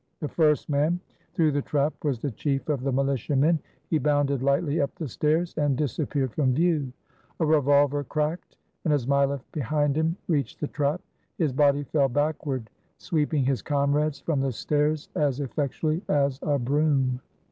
The first man through the trap was the chief of the mihtiamen. He bounded lightly up the stairs and dis appeared from view. A revolver cracked, and as Mileff, behind him, reached the trap, his body fell backward, sweeping his comrades from the stairs as effectually as a broom.